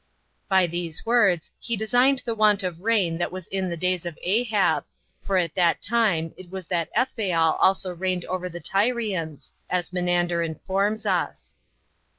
By these words he designed the want of rain that was in the days of Ahab, for at that time it was that Ethbaal also reigned over the Tyrians, as Menander informs us.